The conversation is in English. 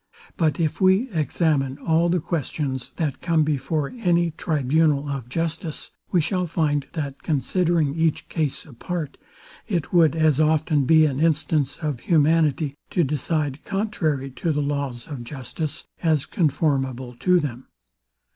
But if we examine all the questions, that come before any tribunal of justice, we shall find, that, considering each case apart, it would as often be an instance of humanity to decide contrary to the laws of justice as conformable them.